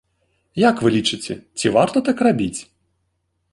Як вы лічыце, ці варта так рабіць?